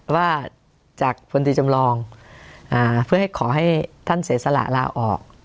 ว่าจากพลตรีจำลองเพื่อให้ขอให้ท่านเสียสละลาออก